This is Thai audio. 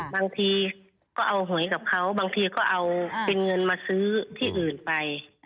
บางทีก็เอาหวยกับเขาบางทีก็เอาเป็นเงินมาซื้อที่อื่นไป